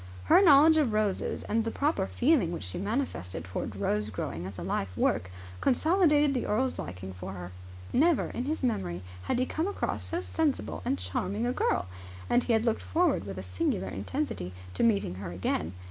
Her knowledge of roses and the proper feeling which she manifested towards rose growing as a life work consolidated the earl's liking for her. Never, in his memory, had he come across so sensible and charming a girl; and he had looked forward with a singular intensity to meeting her again.